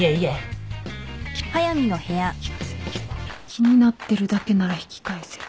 気になってるだけなら引き返せる。